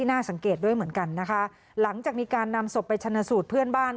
น่าสังเกตด้วยเหมือนกันนะคะหลังจากมีการนำศพไปชนะสูตรเพื่อนบ้าน